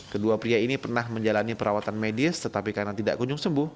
kedua pria ini pernah menjalani perawatan medis tetapi karena tidak kunjung sembuh